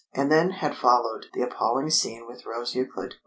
And then had followed the appalling scene with Rose Euclid.